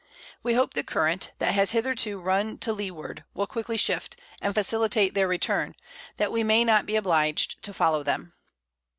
We hope the Current, that has hitherto run to Leeward, will quickly shift, and facilitate their Return, that we may not be obliged to follow them.